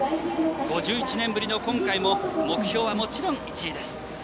５１年ぶりの今回も目標はもちろん１位です。